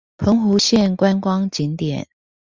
澎湖縣觀光景點